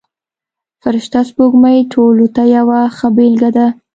فرشته سپوږمۍ ټولو ته یوه ښه بېلګه ده.